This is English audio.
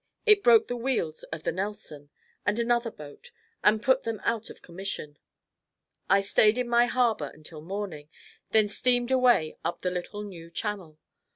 It broke the wheels of the "Nelson" and another boat and put them out of commission. I stayed in my harbor until morning, then steamed away up the little new channel.